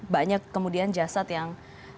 banyak kemudian jasad yang